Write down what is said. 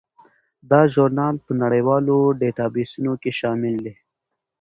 دا ژورنال په نړیوالو ډیټابیسونو کې شامل دی.